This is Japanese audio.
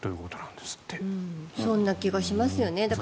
そんな気がしますよね。